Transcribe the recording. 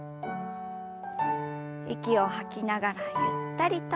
息を吐きながらゆったりと。